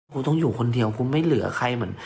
กูต้องอยู่คนเดียวกูไม่เหลือใครเหมือน